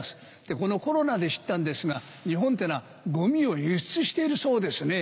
このコロナで知ったんですが日本ってのはごみを輸出してるそうですね。